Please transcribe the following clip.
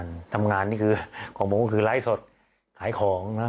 ก็เลยต้องมาไลฟ์ขายของแบบนี้เดี๋ยวดูบรรยากาศกันหน่อยนะคะ